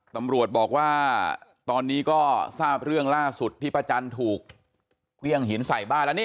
ตำรวจบอกว่าตอนนี้ก็ทราบเรื่องล่าสุดที่ประจันทร์ถูกเวี้ยงหินใส่บ้าน